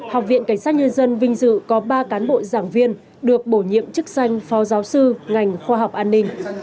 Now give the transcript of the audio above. học viện cảnh sát nhân dân vinh dự có ba cán bộ giảng viên được bổ nhiệm chức danh phó giáo sư ngành khoa học an ninh